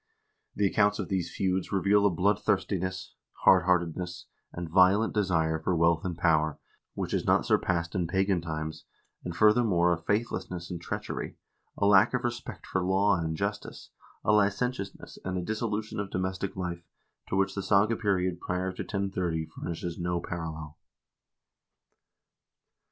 The accounts of these feuds reveal a bloodthirstiness, hardheartedness, and violent desire for wealth and power which is not surpassed in pagan times, and furthermore a faithlessness and treachery, a lack of respect for law and justice, a licentiousness, and a dissolution of domestic life, to which the saga period prior to 1030 furnishes no parallel."